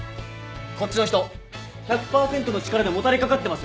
こっちの人１００％の力でもたれかかってますよね。